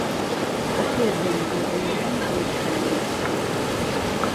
بەخێربێن بۆ دنیای بیرکاری.